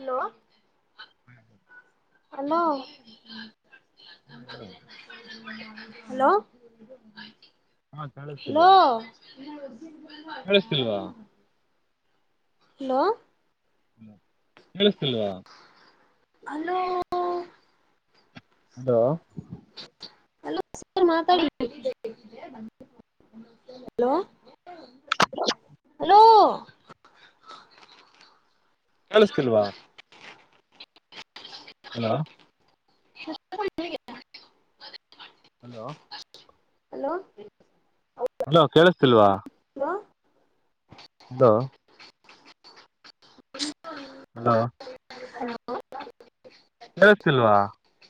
Hello? [inaudible] [inaudible] ಮೊ [inaudible] hello? ಹಾ ಹೇಳು ಹಲೋ? [inaudible] ಹಾ ಕೇಳಿಸ್ತಿಲ್ವಾ ಕೇಳಿಸ್ತಿಲ್ವಾ ಹಲೋ? [inaudible] [unintelligible] ಹ್ಮ ಕೇಳಿಸ್ತಿಲ್ವಾ ಹಲೋ ಹಲೋ ಅದೂ ಹಲೋ ಸರ್ ಮಾತಾಡಿ ಹಲೋ [inaudible] ಹಲೋ ಕೇಳಿಸ್ತಿಲ್ವಾ ಹಲೋ ಹಲೋ ಹಲೋ ಹಲೋ ಕೇಳಿಸ್ತಿಲ್ವಾ ಹಲೋ ಹಲೋ ಹಲೋ ಹಲೋ ಕೇಳಿಸ್ತಿಲ್ವಾ ಹಾ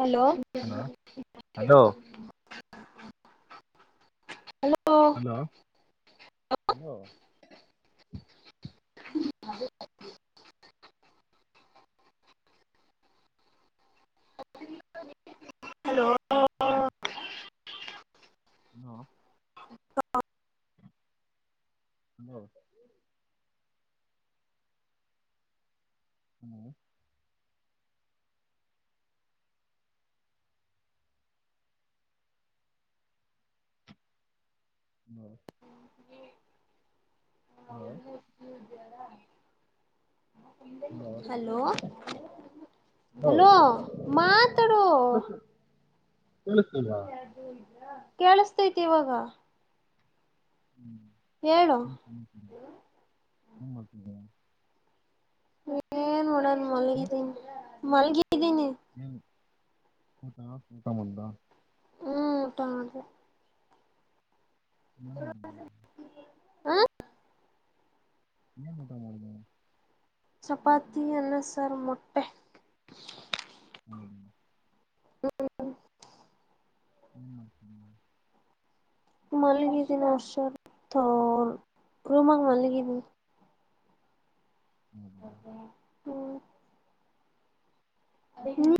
hello hello hello hello hello hello hello ಹ್ಮ ಹಲೋ ಹಲೋ ಹ್ಮ ಹ್ಮ ಹ್ಮ ಹಲೋ ಹಲೋ ಹಲೋ ಮಾತಾಡು ಕೆಲಸ್ಥಿಲ್ವ ಕೇಳಿಸ್ತೈತಿ ಇವಾಗ ಹ್ಮ್ ಹೇಳು ಹ್ಮ್ ಹ್ಮ್ ಏನ್ ಮಾಡ್ತಾ ಇದೀಯಾ ಏನ್ ನೋಡನ್ ಹ್ಮ್ ಮಲ್ಗಿದೀನಿ ಮಲ್ಗಿದ್ದೀನಿ ಏನ್ ಊಟ ಊಟ ಮಾಡಿದ ಹ್ಮ ಊಟ ಮಾಡಿದೆ ಹ್ಮ. ಆ. ಏನ ಊಟ ಮಾಡಿದ್ದಿಯಾ. ಚಪಾತಿ ಅನ್ನ ಸಾರು ಮೊಟ್ಟೆ. ಹ. ಏನ್ ಮಾಡ್ತಾ ಇದಿಯಾ ಮಲ್ಗಿದ್ದಿನಿ ಅಷ್ಟೆ ತ್ತೊ ರೂಮಲ್ಲಿ ಮಲಗಿದ್ದಿನಿ. ಹೌದಾ ಓ. ನೀನು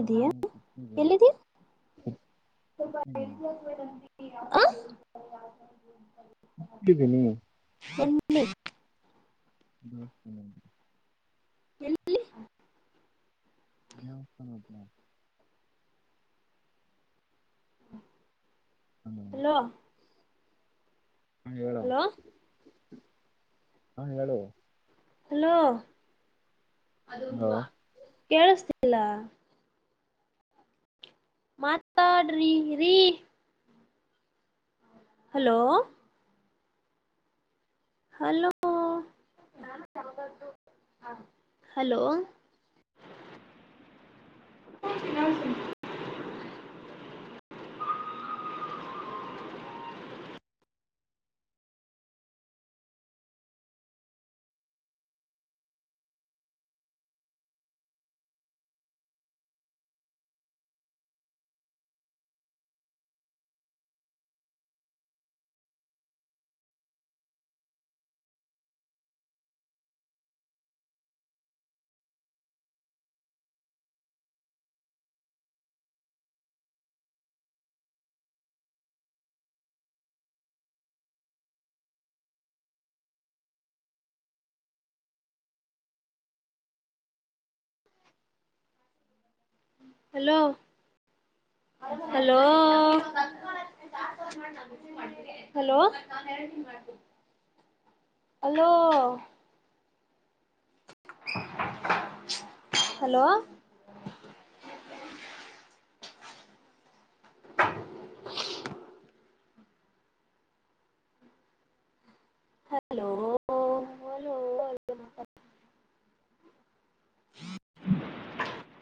ನಾನು ಕುತ್ತಿದ್ದೀನಿ ಎಲ್ಲಿದಿಯಾ. ಹ್ಮ್. ಆ. ಟ್ಟಿದ್ದೀನಿ ಒನ್ [unintelligible] ಹ್ಮ್ ಹ್ಮ್ ಎಲ್ ಲಿ ನ [unintelligible] ಅಮ ಹಲೋ ಹಾ ಹೇಳು ಹಲೋ ಹ ಹೇಳು ಹಲೋ ಹಲೋ. [unintelligible] ಕೇಳಿಸ್ತಿಲ್ಲ. ಮಾತಾಡ್ರಿ ರೀ ಹಲೋ ಹಲೋ ಹಲೋ. ಹಾ [unintelligible] hello hello hello hello hello [inaudible] hello hello hello ಮಾತ್ [inaudible]